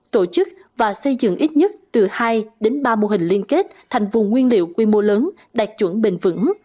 tổ chức và xây dựng ít nhất từ hai đến ba mô hình liên kết thành vùng nguyên liệu quy mô lớn đạt chuẩn bền vững